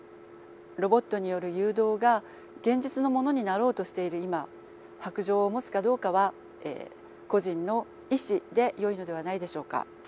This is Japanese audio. ロボットによる誘導が現実のものになろうとしている今白杖を持つかどうかは個人の意思でよいのではないでしょうか。